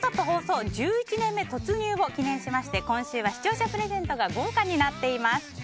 放送１１年目突入を記念して今週は視聴者プレゼントが豪華になっています。